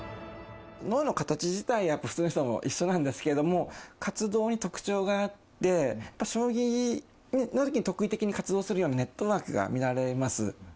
脳の形自体は、やっぱり普通の人と一緒なんですけども、活動に特徴があって、やっぱ将棋のときに特異的に活動するようにネットワークが見られます。